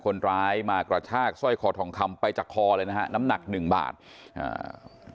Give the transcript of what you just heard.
คนร้ายมากระชากสร้อยคอทองคำไปจากคอเลยนะฮะน้ำหนักหนึ่งบาทอ่า